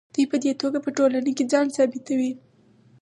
دوی په دې توګه په ټولنه کې ځان ثابتوي.